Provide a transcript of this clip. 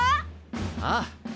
ああ！